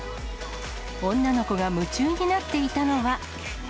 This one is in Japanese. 女の子が夢中になっていたのは。